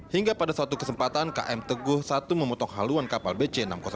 hingga pada suatu kesempatan km teguh satu memotong haluan kapal bc enam ribu satu